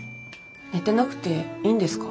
寝てなくていいんですか？